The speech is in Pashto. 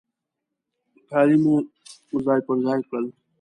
کالي مو ځای پر ځای کړل.